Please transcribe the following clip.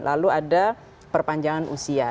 lalu ada perpanjangan usia